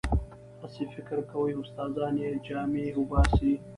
هسې فکر کوي استادان یې جامې وباسي.